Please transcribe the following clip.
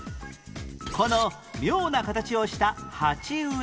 この妙な形をした鉢植え